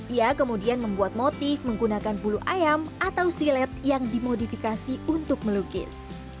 ia kemudian membuat motif menggunakan bulu ayam atau silet yang dimodifikasi untuk melukis